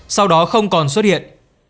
sau đó không còn xuất hiện